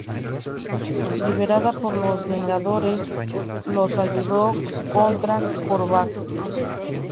Liberada por los Vengadores, los ayudó contra Korvac.